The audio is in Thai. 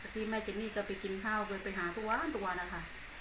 ที่แม่เจนี่จะไปกินข้าวเคยไปหาทุกวันทุกวันอ่ะค่ะ